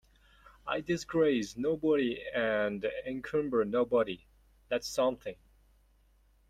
I disgrace nobody and encumber nobody; that's something.